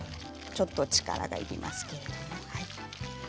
ちょっと力がいりますけれど。